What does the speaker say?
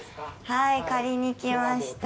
はい、借りに来ました。